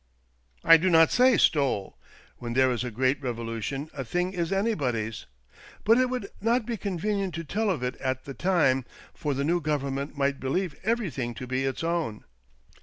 " I do not say stole ; when there is a great revolution a thing is anybody's. But it would not be convenient to tell of it at the time, for the new Government might believe everything to be its own.